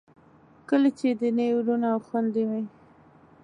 کله چې دیني وروڼه او خویندې مې